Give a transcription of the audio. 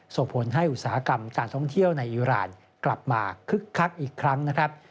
ส่งผลให้อุตสาหกรรมการท่องเที่ยวในอิราณกลับมาคึกคักอีกครั้งนะครับ